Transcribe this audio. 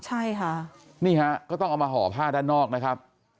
ใช่ค่ะนี่ฮะก็ต้องเอามาห่อผ้าด้านนอกนะครับ